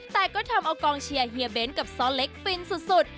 แต่ก็ทำเอากองเชียร์เฮียเบ้นกับซ้อเล็กฟินสุด